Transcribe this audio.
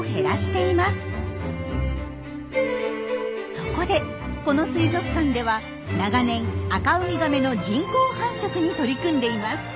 そこでこの水族館では長年アカウミガメの人工繁殖に取り組んでいます。